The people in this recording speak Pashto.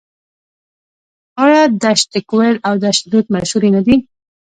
آیا دشت کویر او دشت لوت مشهورې نه دي؟